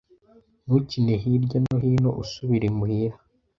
Ntukine hirya no hino usubira imuhira.